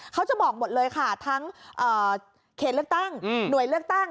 เขาจะบอกหมดเลยค่ะทั้งเขตเลือกตั้งหน่วยเลือกตั้ง